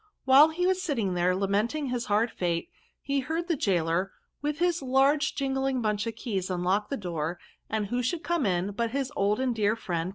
*' While he was sitting there, lamenting his hard fate, he heard the gaoler, with his large jingling bunch of keys, unlock the door, and who should come in but his old and dear •friend.